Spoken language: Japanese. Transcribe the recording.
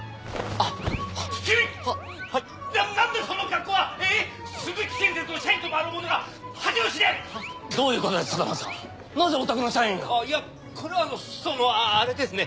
あいやこれはそのあれですね。